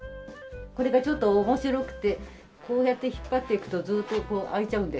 これがちょっと面白くてこうやって引っ張っていくとずーっと開いちゃうんですよ。